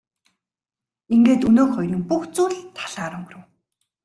Ингээд өнөөх хоёрын бүх зүйл талаар өнгөрөв.